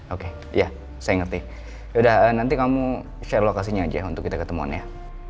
oke iya saya ngerti yaudah nanti kamu share lokasinya aja untuk kita ketemuan ya